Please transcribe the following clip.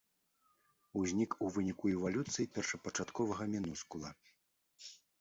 Узнік у выніку эвалюцыі першапачатковага мінускула.